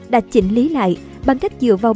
đã chỉnh lý lại bằng cách dựa vào